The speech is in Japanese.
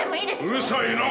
うるさいな！